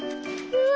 うわ！